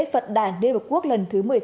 phật đảng đế bộ quốc lần thứ một mươi sáu